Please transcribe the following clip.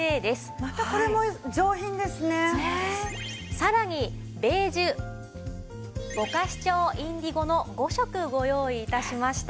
さらにベージュぼかし調インディゴの５色ご用意致しました。